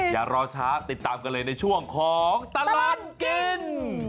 อย่ารอช้าติดตามกันเลยในช่วงของตลอดกิน